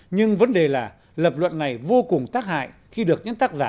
nhưng vấn đề là lập luận này vô cùng tác hại khi được những tác giả